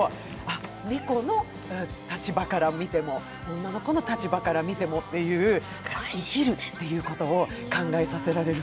猫の立場から見ても、女の子の立場から見てもっていう、生きるということを考えさせられる